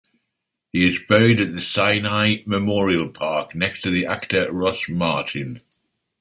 He is buried at the Sinai Memorial Park, next to the actor, Ross Martin.